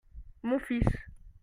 Mon fils.